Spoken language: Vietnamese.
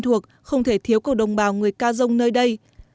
thuộc không thể thiếu của đồng bào người ca dông nơi đây